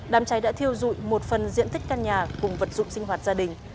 đám cháy đã thiêu dụi một phần diện tích căn nhà cùng vật dụng sinh hoạt gia đình